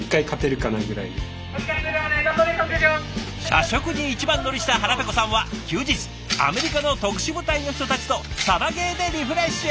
社食に一番乗りした腹ペコさんは休日アメリカの特殊部隊の人たちとサバゲーでリフレッシュ。